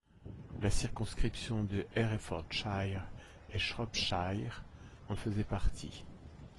La circonscription de Herefordshire and Shropshire en faisait partie.